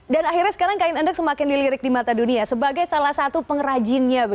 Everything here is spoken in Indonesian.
dan akhirnya sekarang kain endek semakin dilirik di mata dunia sebagai salah satu pengrajinnya